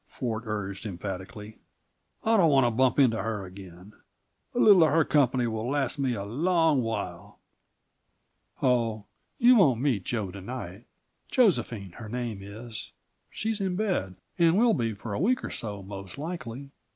Ford urged emphatically. "I don't want to bump into her again; a little of her company will last me a long while!" "Oh, you won't meet Jo to night; Josephine, her name is. She's in bed, and will be for a week or so, most likely.